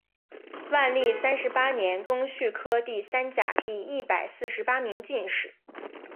万历三十八年庚戌科第三甲第一百四十八名进士。